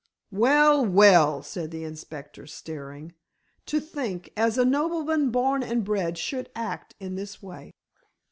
"Well! Well!" said the inspector staring, "to think as a nobleman born and bred should act in this way."